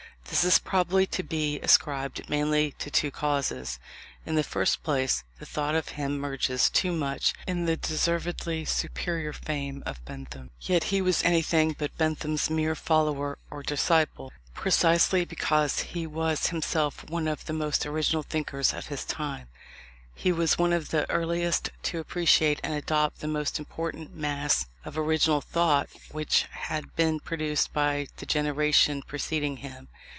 This is probably to be ascribed mainly to two causes. In the first place, the thought of him merges too much in the deservedly superior fame of Bentham. Yet he was anything but Bentham's mere follower or disciple. Precisely because he was himself one of the most original thinkers of his time, he was one of the earliest to appreciate and adopt the most important mass of original thought which had been produced by the generation preceding him.